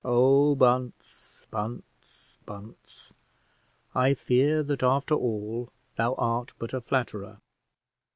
Oh, Bunce, Bunce, Bunce, I fear that after all thou art but a flatterer.